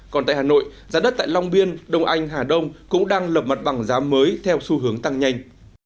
còn tại hà nội giá đất tại long biên đông anh hà đông cũng đang lập mặt bằng giá mới theo xu hướng tăng nhanh